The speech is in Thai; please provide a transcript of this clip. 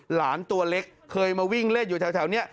หลานตัวเล็กเคยมาวิ่งเล่นอยู่แถวนี้